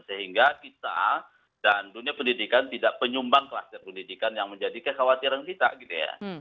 sehingga kita dan dunia pendidikan tidak penyumbang kluster pendidikan yang menjadi kekhawatiran kita gitu ya